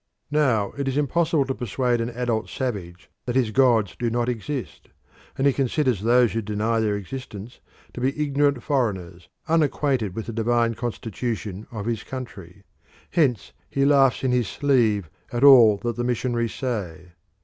Now it is impossible to persuade an adult savage that his gods do not exist, and he considers those who deny their existence to be ignorant foreigners unacquainted with the divine constitution of his country. Hence he laughs in his sleeve at all that the missionaries say.